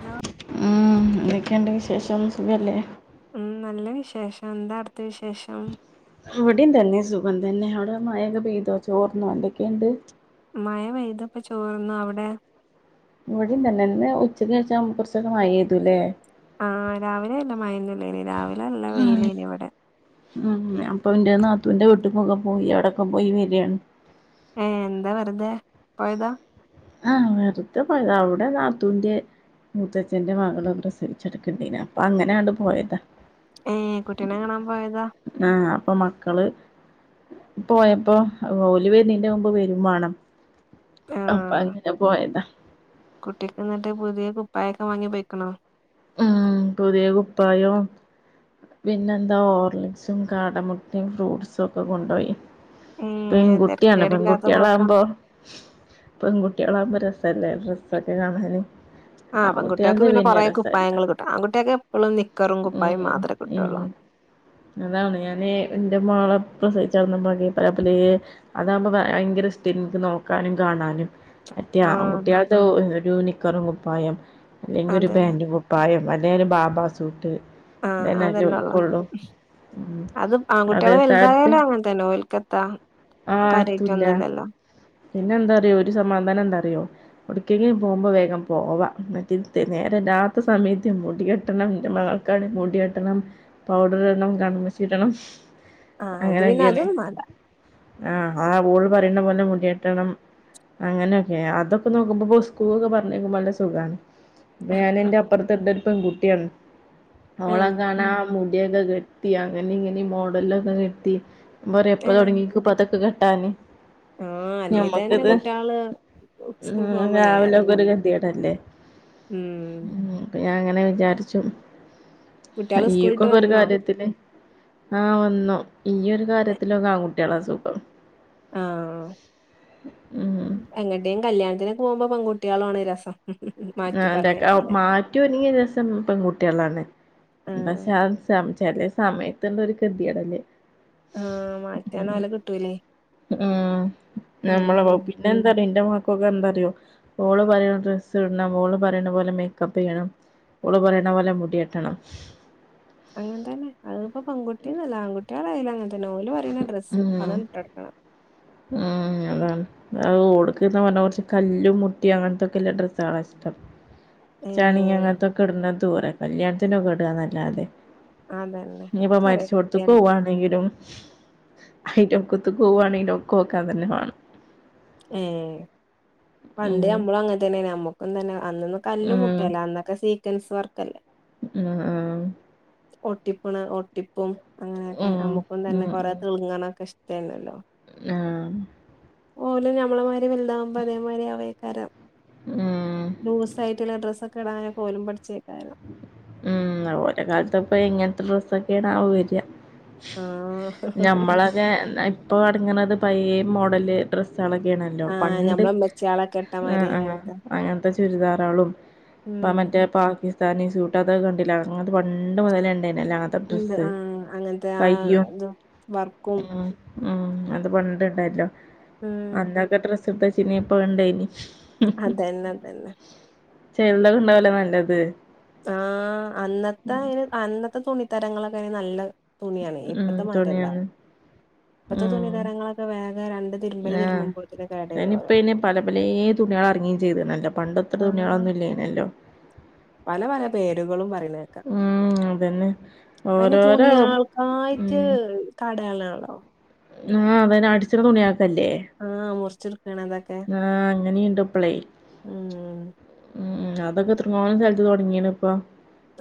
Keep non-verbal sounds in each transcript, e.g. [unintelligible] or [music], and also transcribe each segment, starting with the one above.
Hello ഉം എന്തൊക്കെയുണ്ട് വീശേഷം സുഖല്ലേ ഉം നല്ല വിശേഷം എന്താ അവിടുത്തെ വിശേഷം ഇവിടയും തന്നെ സുഖം തന്നെ അവിടെ മയയൊക്കെ പെയ്തോ ചോർന്നോ എന്തൊക്കെയുണ്ട് മഴ പെയ്തിപ്പോ ചോർന്നു അവിടെ ഇവിടെംതന്നെ ഉച്ചക്ക് കഴിച്ചാ കുറച്ചൊക്കെ മാഴയായിപോയല്ലേ ആഹ് രാവിലെ നല്ല മയയൊന്നൂല്ലാനി രാവിലെ നല്ല ഉം വെയിലായീനി ഇവിടെ ഉം അപ്പൊ എന്റെ നാത്തൂന്റെ വീട്ടിക്കൊക്കെ പോയി അവിടൊക്കെ പോയി വരിയാണ് ഏഹ് എന്താ വെറുതെ പോയതാ ആഹ് വെറുതെ പോയതാ അവിടെ നാത്തൂന്റെ മൂത്തച്ഛന്റെ മകള് പ്രസവിച്ചെടുക്കണ്ടേന് അപ്പൊ അങ്ങനെ അങ്ങാട്ട് പോയതാ ഏയ് കുട്ടികളെ കാണാൻ പോയത ആഹ് അപ്പൊ മക്കള് പോയപ്പോ ഓല് വേരുണേനും മുമ്പ് വരേം വേണം അപ്പൊ ആഹ് അങ്ങനെ പോയതാ കുട്ടിക്ക് എന്നിട്ട് പുതിയ കുപ്പായൊക്കെ വാങ്ങി പോയിക്കണോ ഉം പുതിയ കുപ്പായോം പിന്നെ എന്താ ഓർലിക്സും കാടമുട്ടയും ഫ്രൂട്ട്സും ഒക്കെ കൊണ്ടുപോയി ഏഹ് പെൺകുട്ടിയാണ് തെരക്കേടില്ലാത്ത പെൺകുട്ടികള് പോക്കാണ് ആകുമ്പോ പെൺകുട്ടികളാവകുമ്പോ രസല്ലേ ഡ്രസ്സൊക്കെ കാണാന് ആഹ് പെൺകട്ടിയോൾക്ക് ആൺകുട്ടികൾത് പിന്നെ കൊറേ രസല്ല കുപ്പായങ്ങള് കിട്ടും ആൺകുട്ടിയോക്ക് എപ്പോഴും നിക്കറും കുപ്പായം ഉം മാത്രമേ ഉം കിട്ടുവോള്ളൂ അതാണ് ഞാന് എന്റെ മോളെ പ്രസിവിച്ച് കെട്ന്ന അപ്ം പല പലെ അതാവുമ്പോ ഭയങ്കര ഇഷ്ട്ടയിരുന്നു നോക്കാനും കാണാനും മറ്റേ ആഹ് ആൺകുട്ടികൾക്ക് ഒരു നിക്കറും കുപ്പായം അല്ലെങ്കിൽ ഒരു അതന്നെ പാന്റും കു പായം അല്ല് ബാബാ സൂട്ട് ആഹ ഇതന്നെല്ലേ അതന്നെ ഒള്ള ഓൽക്കൊള്ളൂ ഉം അത് ആൺകുട്ടികള് അതേ സ്ഥാനത്ത് വലുതായാലും അങ്ങനെ തന്നെ ഓലക്ക് എന്താ ആഹ് കാര്യൊക്ക എത്തൂല്ല ഒന്നും ഇല്ലല്ലോ പിന്നെ എന്താറിയോ ഒരു സമാധാനം എന്താറിയോ ഒടുക്കെങ്കും പോകുമ്പോൾ വേഗം പോവാ മറ്റേ നേരെ രാത് ഇ സമയത്ത് മുടി കെട്ടണം മൾക്കാണ് മുടി കെട്ടണം പൗഡർ ഇടണം കണ്മഷി ഇടണം ആഹ് അത് പിന്നെ അങ്ങനെയൊക്കെയാണ് അതൊന്നും വേണ്ട ആഹ് ഓള് പറയുന്ന പോലെ മുടി കെട്ടണം അങ്ങനെയൊക്കെ അതൊക്കെ നോക്കുമ്പോ സ്കൂ ക് ഒക്കെ പറഞ്ഞേക്കമ്പോ നല്ല സുഖമാണ് ഞാന് എന്റെ അപ്പറത്ത് ഒണ്ട് ഒരു പെൺകുട്ടിയാണ് ഓളെ കാണാ മുടിയൊക്കെ കെ ട്ടി അങ്ങനെ ഇങ്ങനെ മോഡലൊക്കെ കിട്ടി പറ എപ്പ തുടങ്ങി അതൊക്ക കെട്ടാന് ആഹ അല്ലേ തന്നെ ഞമ്മക്കിത് കുട്ടികള് ഉം സ്കൂൾ പോകുമ്പോ രാവിലൊക്കെ ഒരു നേരെല്ലന്ന് ഗതികേടല്ലേ ഉം ഉം അപ്പൊ ഞാൻ അങ്ങനെ വിചാരിച്ചു കുട്ടികള് ഈ ഒക്കെ സ്കൂളിട്ട് ഒരു വന്നോ കാര്യത്തിന് ആഹ വന്നു ഈ ഒരു കാര്യത്തിലൊക്കെ ആൺകുട്ടികള സുഖം ആ ഉം എങ്ങട്ടേ കല്യാണത്തിനൊക്കെ പോകുമ്പോ പെൺകുട്ടികളാണ് രസം ഉ ഉ മാറ്റി പറഞ്ഞേക്കാൻ ഒക്കെ മററി ഒരിങിയ രസം പെൺകുട്ടികളാണ് പക്ഷെ ആഹ് സംചല്ലേ ചെല സമയത്ത് എന്തൊരു ഒരു ഗതിയടല്ലേ ആഹ മറ്റന്ല്ല നാല കിട്ടൂല്ലേ ഉം നമ്മള് അ പിന്നെ എന്താറിയോ എന്റെ മക്കൊക്കെ എന്താറിയോ ഓള് പറയണ ഡ്രസ്സ്‌ ഓള് പറയുന്ന പോലെ മേക്കപ്പ് ചെയ്യണം ഓള് പറയണ പോലെ മുടിയെട്ടണം അങ്ങനെ തന്നെ അതിപ്പ പെൺകുട്ടി എന്ന് അല്ല ആൺകുട്ടികളായല്ലും അങ്ങനെ തന്നെ ഓല് പറയുന്ന ഡ്രസ്സ് ഉം അതാണ് ഇട്ട് കൊടക്കണേ ഉം അതാണ് അ ഓടുക്ക് പിന്നെ വന്ന കൊറച്ച് കല്ലും മുട്ടിയ അങ്ങനത്തെൊക്കെ ഒള്ള ഡ്രസ്സുകളാ ഇഷ്ടം ചണി ഏഹ് അങ്ങനത്തൊക്കെ ഇടുന്ന ദൂരെ കല്യാണത്തിനൊക്കെ ഇടുകാ എന്ന് അല്ലാതെ അതന്നെ ഇനി ഇപ്പ ചെറിയ മരിച്ച ഓടത്തക്ക് കുട്ടിയല്ലേ പോവാണെങ്കിലും അയലോക്കത്ത് പോവാണ് എങ്കിലും ഒക്കെ തന്നെ വേണം ഏ പണ്ട് ഉം. അമ്മളും അങ്ങനത്തന്നെ അമ്മോ തന്നെ അന്നൊന്നും കല്ലും ഉം. മുട്ടയല്ല അന്നൊക്കെ സീറ്റൻസ് വർക്കല്ലേ ആ ആ ഒട്ടിപ്പണ് ഒട്ടിപ്പും അങ്ങനെയൊക്കെ ഉം. അമ്മുക്കും തന്നെ ഉം കൊറെ ഉം. തെളുങ്ങാനൊക്കെ ഇഷ് തെല്ലല്ലാ ആഹ് ഓല് ഞമ്മളെ മാതിരി വലുതാവ്മ്പതേമാരി ആവൊയ്ക്കാരം ഉം. ലൂസ് ആയിട്ടുള്ള ഡ്രസ്സൊക്കെ ഇടാനൊക്കെ ഓലും പട്‌ച്ചേക്കാരം ഉം ഓരെ കാലത്ത് പ്പ എങ്ങൻത്തെ ഡ്രസ്സൊക്കെണവ വര ആഹ് ഞമ്മളതെ ഇപ്പൊ അട്‌ങ്ങ്ണത് പയേ മോഡല് ഡ്രസ് സോളൊക്കെണല്ലോ ആഹ് പണ്ട് ഞമ്മളെ ഇമ്മച്ചിയാളൊക്കെ ആ ഇട്ടമാതിരി ആ അങ്ങനത്തെ അങ്ങനത്തെ ചുരിദാറാളും ഇപ്പ ഉം മറ്റേ പാക്കിസ്ഥാനി സൂട്ട് അതൊക്കെ കണ്ടിലെ അങ്ങൻത്തെ പണ്ട് മുതലേ ണ്ടായിനില്ലൊ അൻ ണ്ട് ആഹ് അങ്ങൻത്തെ ആ തും വർക്കും ഉം ഉം അത് പണ്ട്ണ്ടായിറ്റ്ലോ ആഹ് അന്നത്തെ ഡ്രസ്സ് എട്ത്തചീന്യേ പ്പടെണ്ടയ്നി ഹ് ഹ് ഹ് അതന്നെ അതന്നെ ചെലഹ്ണ്ടാവല്ലോ നല്ലത് ആഹ് അന്നത്തെ അന്നത്തെ തുണിത്തരങ്ങളൊക്കെ നല്ല തുണിയാണെ ഉം ഇപ്പത്തെ മായ്രില്ല തുണിയാണ് ഇപ്പത്തെ ഉം തുണിതരങ്ങളൊക്കെ വേഗം രണ്ട് തിര്മ്പല് ആഹ് തിര്മ്പ്മ്പോത്തിന് കേടരോലോ അതിനിപ്പ ഇനി പല പലെ തുണിയേൾ എറങ്ങിമ് ചെയ്ത്ണല്ലോ പണ്ട്ത്ര ആഹ് തുണിയേളൊന്നും ഇല്ലേനല്ലോ പല പല പേരുകളും പറിണേ ക ഉം അതന്നെ അയ്ന് ഓരോരോ തുണിയേൾക്കായിട്ട് ഉം കടെളാണോ ആഹ്‌ അഹനെ അടിച്ചണ തുണിയാക്കല്ലേ ആഹ് മുറിച്ചെടുക്കണതൊക്കെ ആഹ് അങ്ങനീണ്ട്പ്പളേ ഊം ഉം ഉം അതൊക്കെ എത്രങ്ങാനും സ്ഥലത്ത് തോടങ്ങീണ് പ്പൊ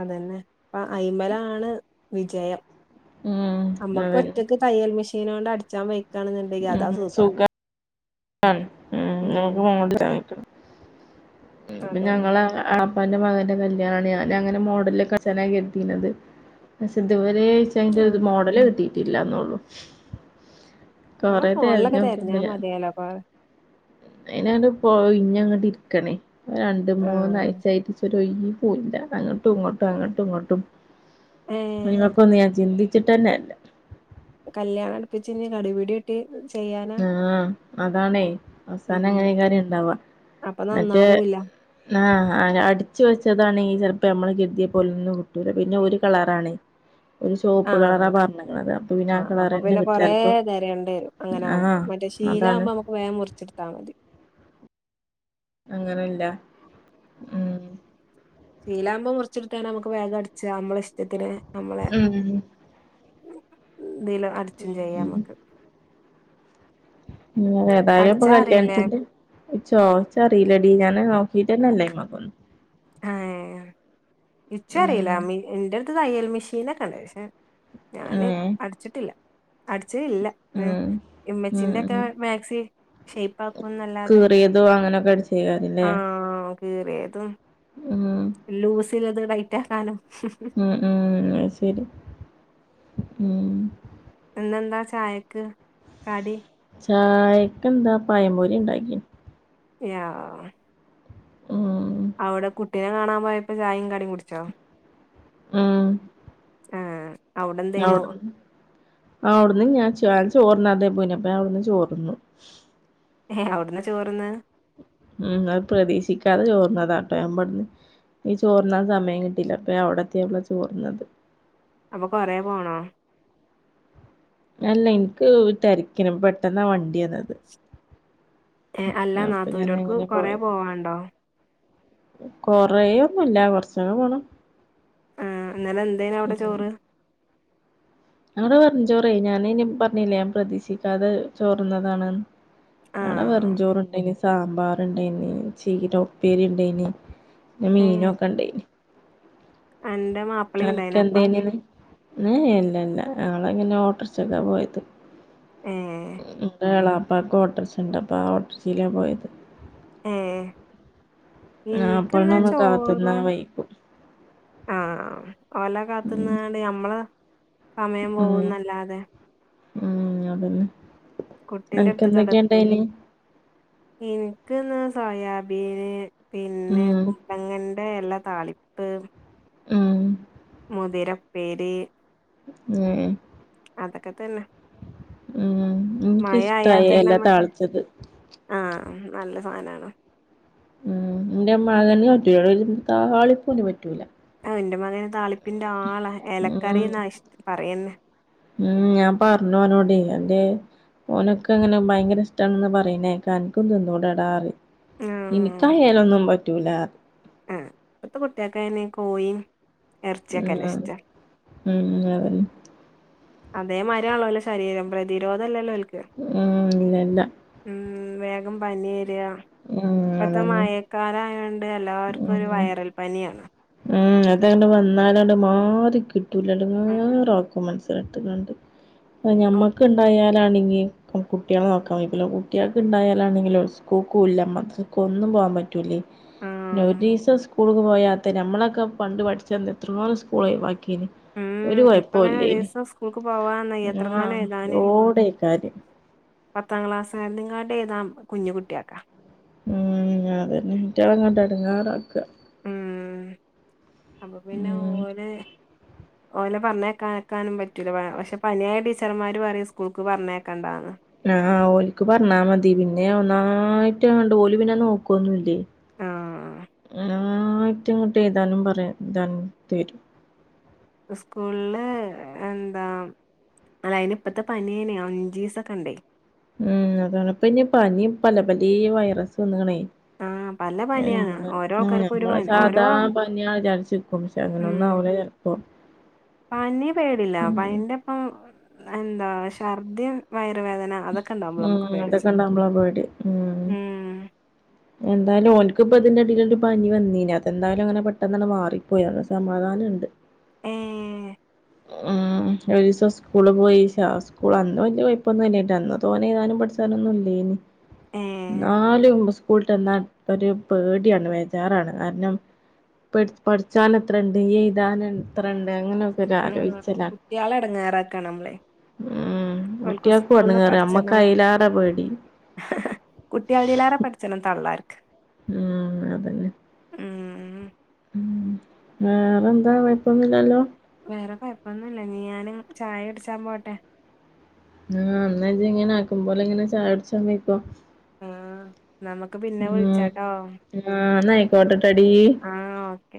അതന്നെ പ്പ അയ്മലാണ് വിജയം ഉം അമ്മക്ക് അതന്നെ. ഒറ്റക്ക് തയ്യൽ മെഷീനോണ്ട് അടിച്ചാൻ വയ്ക്കാണ്ന്ന്ണ്ടെങ്കി അതാ ഉം സുഖം സുഖാ ഉം [unintelligible] ഇപ്പ അതന്നെ ഞങ്ങളെ ആപ് ളാപ്പാന്റെ മകന്റെ കല്യാണാണ്‌ ഞാൻ അങ്ങനെ മോഡൽലൊക്കെ അട്ച്ചാന കര്തീനിയത് പഷേ ഇതുവരെ ന്റെത് ആഹ് മോഡല് കിട്ടീട്ടില്ലാന്നുള്ളു ആ കൊറേ ഫോണിലൊക്കെ തെരഞ്ഞാ തെര്ഞ്ഞോക്ക്ണ്ട് ഞാൻ മതിയല്ലോ കൊ അയ്നാണ്ട് പോയ് ഒയ്ഞ്ഞങ്ങട്ട് ര്ക്കണേ രണ്ട് ആഹ് മൂന്നാഴ്ചായിട്ട് ഇച്ചൊരു ഒഴിവൂല്ല അങ്ങട്ടും ഇങ്ങട്ടും അങ്ങട്ടും ഇങ്ങട്ടും ഏഹ് അയ്മക്കൊന്നും ഞാൻ ചിന്തിച്ചിട്ടന്നെല്ല. കല്യാണട്പ്പിച്ച് ഇഞ് കടി പിടി കൂട്ടി ചെയ്യാന ആഹ് അതാണെ അവസാനം അങ്ങനെക്കാരെണ്ടാവാ അപ്പ നന്നാവൂല്ല ആഹ് അടിച്ചു വെച്ചതാണെ ഈ ചെൽപ്പം നമ്മള് കെര്തിയെ പോലൊന്നും കിട്ടൂല പിന്നെ ഒരു കളറാണെ ആഹ് അപ്പൊ പിന്നെ ആഹ് ആ അപ്പൊ കളറെന്നെ പിന്നെ കിട്ടും കൊറെ ചെലപ്പോ തെരേണ്ടേരും ആഹ് അങ്ങനാവുമ്പം മറ്റേ ശീല അതാണ് ആവുമ്പോ നമ്മക്ക് വേം മുർച്ച്ട്ത്താ മതി അങ്ങനെല്ല ഉം ശീലാവ്മ്പം മുർച്ച്ട്ത്താണ്ട് നമ്മക്ക് വേഗ അട്ച്ച നമ്മളെഷ്ട്ടത്തിന് ഉം തില് അട്ചും ചെയ്യാ മ്മക്ക് ഉം ഏതായാലും ഇപ്പൊ അറിയില്ലേ കല്യാണത്തിന്റെ ച്ചോ ഇച്ചറീലെടി ഞാന് നോക്കിട്ടന്നല്ലയ്മക്കൊന്നും ഏഹ് ഇച്ചും അറീല ഉം മ് ന്റെട്ത്ത് തയ്യൽ മിഷീനൊക്കെ ണ്ട് ക്ഷേ ഞാന് ഏഹ് അട്ച്ചിട്ടില്ല അടച്ചലില്ല ഏഹ് ഉം ഉം ഇമ്മച്ചിന്റൊക്കെ ഉം മാക്സി ഷെയ്പ്പാക് ക്കും ന്നല്ലാതെ കീറിയതോ അങ്ങനൊക്കെ അടിച്ചേക്കാരല്ലേ ആഹ് കീറിയതും ഊം ലൂസിള്ളത് ടൈറ്റാക്കാനും ഉം ഉം അത് ശരി ഉം ഇന്നെന്താ ചായക്ക് കടി ചായക്കെന്താ പയമ്പൊരി ഇണ്ടാക്കിനി യാ ഉം അവ്ടെ കുട്ടിനെ കാണാൻ പോയപ്പോ ചായേം കടീം കുടിച്ചോ? ഉം ആഹ് അവിടെ എന്തേനു അവ്ട്ന്ന് ആ അവ്ടുന്ന് ഞാൻ ചോ ചോറുണ്ണാതേ പോയ്നേ അപ്പം ഞാൻ അവിടുന്ന് ചോർന്നു. ഏഹ് അവിട്ന്ന ചോറ്ന്നത് ഉം അത് പ്രതീക്ഷിക്കാതെ ചോർന്നതാട്ടോ ഞാൻ ഇബട്ന്ന് ഈ ചോർണ്ണാൻ സമയം കിട്ടീല്ല അപ്പ ഞാൻ അവിടെത്തിയപ്പളാ ചോറ്ന്നത്. അപ്പ കൊറെ പോണോ അല്ല എനിക്ക് തെരക്കിനം പെട്ടെന്നാ വണ്ടിയന്നത്. ഏഹ് അല്ല ഞാൻ നാത്തൂന്റോർക്ക് അങ്ങനെ കൊറേ പോവാണ്ടോ കൊറെയൊന്നുല്ല കൊറച്ചങ്ങു പോണം. ആഹ് ഇന്നെലെന്തേനവിട ഉം ചോറ് അവിടെ വെറുഞ്ചോറേ ഞാനിനീം പറഞ്ഞില്ലേ ഞാൻ പ്രതീക്ഷിക്കാതെ ചോറ്ന്നതാണെന്ന്. ഞങ്ങട ആഹ് വെറുഞ്ചോറിണ്ടെങ്കി സാമ്പാറെണ്ടേയിന് ചീര ഉപ്പേരിണ്ടേയിന് പിന്ന മീനൊക്ക ഇണ്ടേയിന് അന്റ മാപ്പ് തനിക്കെന്തെങ്കിലും ഊം ഇല്ല ഇല്ല ഞങ്ങളങ്ങിന ഓട്ടറിക്ഷക്കാ പോയത്. ഏഹ് ഇൻ്റെളാപ്പാക്ക് ഒട്ടോറിക്ഷ ഇണ്ട് അപ്പ ആഹ് ഓട്ടോറിക്ഷലാ പോയത്. ഏഹ് ഇൻക്കിന്ന് ആപ്പൾനൊന്നും കാത്ത്ന്നാ ചോറും. വൈകും ആഹ് ഓല ഉം കാത്തുന്നാണ് നമ്മള സമയം ഉം പോകൂന്നല്ലാതെ ഉം അതന്നെ കുട്ടിന്റെ അടുത്ത് അനക്കെന്തെക്കെയാ കടത്തൂല ഡെയിലീ. ഇനിക്ക്ന്ന് സോയാബീന് പിന്നെ ഉം പു കങ്ങന്റെ ഇല താളിപ്പ് ഉം മുതിരപ്പേരി ഉം അതക്ക തന്നെ ഉം മഴ ആയാൽ എനിക്കിഷ്ടവ തന്നെ ഇല നമ്മക്ക് താളിച്ചത്. ആഹ് ഉം നല്ല സാധനാണ്. ഊം എന്റെ മകന് പറ്റും എളേതിന് താളിപ്പോന്നും പറ്റൂല്ല. ആഹ് എന്റെ മകന് താളിപ്പിന്റാളാ ഉം എലക്കറിന്നാ ഇഷ് പറയിന്നെ ഉം ഞാൻ പറഞ്ഞു അവനോട് എന്തേ ഓനൊക്കെ അങ്ങന ഭയങ്കര ഇഷ്ടാണന്നാ പറയ്ന്നേ കേൾകാം നിനക്കും തിന്നൂടെടാ പറയും ആഹ് ഇനിക്കയേലൊന്നും പറ്റൂല ആഹ് ഇപ്പത്ത കുട്ടികൾക്കങ്ങനേ കോയീം ഉം ആഹ് ഉം ആഹ് അതല്ലെ അതേ മായിരാണല്ലോ ശരീരം പ്രതിരോധില്ലല്ലോൾക്ക് ഉം ഇന്നല്ല ഉം വേഗം പനി വരിക ഉം ഇപ്പത്ത അതന്നെ മയക്കാലായൊൺ ഇവിടേം ഉം എല്ലാർക്കൊരു വയറൽ പനിയാണ്. ഉം അതേണ്ട് വന്നാലാണ്ട് മാറി കിട്ടൂല ആഹ് എടങ്ങേറാക്കും മന്സ് ഇട്ട്ങ്ങാണ്ട് ഞമ്മക്ക് ഉണ്ടായാ അണെങ്കിൽ കുട്ടികളെ നോക്കാൻ വയ്ക്കുല കുട്ടികൾക്കെ ഉണ്ടായാലാണെങ്കിലും സ്കൂൾക്ക് ഇല്ല മാത്ര ഒന്നും പോകൻ പറ്റൂലേ പിന്നെ ആഹ് ഒരിസം സ്കൂളക്ക്‌ പോയാ നമ്മളൊക്കെ പണ്ട് പഠിച്ചെ എന്താ എത്രയോ സ്കൂള ഒഴിബാക്കിന് ഉം ഒരു ഇപ്പ അങ്ങനെ കുഴപ്പവല്ലേനി ഒരീസം സ്കൂൾക്ക് പോവാന്ന് എത്രങ്ങാനും ആഹ് എഴുതാന് ഓടെ കാര്യം ഉ പത്താം ക്ലാസുകാരനെക്കാൾ എഴുതാൻ കുഞ്ഞ് കുട്ടിയൊക്കാ ഉം അതന്നെ ഇറ്റങ്ങള എടങ്ങാറക്ക ഉം അപ്പൊ പിന്നെ ഉം ഒര് ഓല് പറഞ്ഞേക്കക്കാനും പറ്റൂല്ല പക്ഷെ പനിയായ ടീച്ചർമാര് പറയും സ്കൂൾക്ക് പറഞ്ഞേക്കണ്ടാന്ന് ആഹ് ഓലിക്ക് പറഞ്ഞാ മതി പിന്നെ ഒന്നായിട്ട്ണ്ട് ഓലി പിന്നെ നോക്കുവൊന്നുല്ലേ ആഹ് നന്നായിട്ട് ഇങ്ങട്ട് എഴുതാനും പറയാനും രണ്ട്തരും സ്കൂളില് എന്ത അല്ല അതിനി ഇപ്പത്തെ പനിങ്ങനെയ അഞ്ച് ദിവസൊക്കെ ഉണ്ടേ ഉം അതാണ്പ്പ ഇനി പനി പല പല വൈറസ് വന്നേകണേ ആഹ് പല പനിയാണ് നമ്മള് ഓരോ ആ ആൾക്കാർക്കും ഒരു നഞമ്മള പനി ഓരോ സാധാരണ പനിയാണ് വിചാരിച്ചിക്കും പക്ഷെ ഉം അങ്ങനെന്ന ആവണില്ല പ്പോ പനി പേടില്ല പനിന്റെ ഇപ്പം എന്താ ഛർദീം വയറുവേദന അതൊക്കെ ഇണ്ടാവുമ്പളാ ഉം നമുക്ക് അതൊക്കെ പേടിച്ചല് ഉണ്ടാവുമ്പളെ പോയിട്ട് ഉം എന്തായാലും ഓൽക്ക്പ്പ അതിന്റെടല് ഒരു പനി വന്നീല അതെന്തായാലും അങ്ങനെ പെട്ടെന്ന മാറിപ്പോയ സമാധാനംണ്ട് ഏ ഉം ഒരു ദിവസം സ്കൂള് പോയി ക്ഷ സ്കൂൾ അന്ന് വലിയ കുഴപ്പൊന്നും ഇല്ലയിരുന്ന് ന്ന തോന്നെ താനും പഠിച്ചാനൊന്നുംല്ലേന് ഏ എന്നാലും സ്കൂളട്ടന്നാ ഒരു പേടിയാണ് ബേജാറാണ് കാരണം പ പഠിച്ചാന എത്രണ്ട് എഴുതാനത്രണ്ട് അങ്ങനെ ആ ലോചിച്ച കുട്ടികളെ എടങ്ങേറാക്കാണ് നമ്മളെ ഉം ഓൽക്ക് കുട്ടിൾക്ക് സ്കൂൾന്ന് വന്ന്കേറ അമ്മക്ക് അയിലാറ പേടി കുട്ടികളിയിലേറെ പഠിച്ചന തള്ളർക്ക് ഉംഅതന്നെ ഉം ഉം ഉ വേറെന്താ കൊയപ്പൊന്നുമില്ലല്ലോ വേറെ കുഴപ്പൊന്നുമല്ല നീ ഞാന് ചായ കുടിച്ചാൻ പോട്ടെ ആ അന്നജ ഇങ്ങനെ ആക്കുമ്പോലെ ഇങ്ങനെ ചായ കുടിച്ചാൻ പോക്കോ ആ നമുക്ക് പിന്നെ വിളിച്ചാട്ടോ ഉംന്ന ആയിക്കോട്ടട്ടടി ആ ഓക്കെ